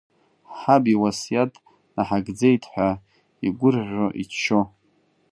Ҳаб иуасиаҭ наҳагӡеит, ҳәа игәырӷьо, иччо.